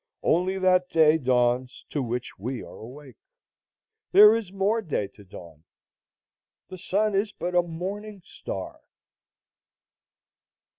Only that day dawns to which we are awake. There is more day to dawn. The sun is but a morning star.